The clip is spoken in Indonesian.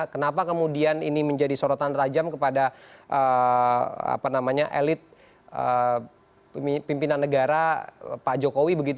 kenapa kemudian ini menjadi sorotan tajam kepada elit pimpinan negara pak jokowi